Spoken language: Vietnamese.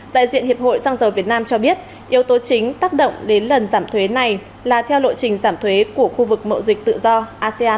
đại diện hiệp hội xăng dầu việt nam cho biết yếu tố chính tác động đến lần giảm thuế này là theo lộ trình giảm thuế của khu vực mậu dịch tự do asean